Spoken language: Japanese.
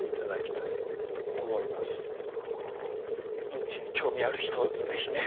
ウンチに興味ある人是非ね。